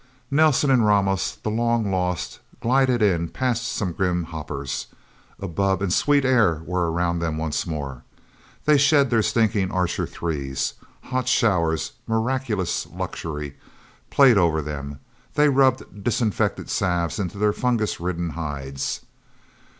Nelsen and Ramos, the long lost, glided in, past some grim hoppers. A bubb and sweet air were around them once more. They shed their stinking Archer Threes. Hot showers miraculous luxury played over them. They rubbed disinfectant salves into their fungus ridden hides.